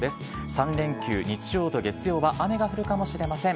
３連休日曜と月曜は雨が降るかもしれません。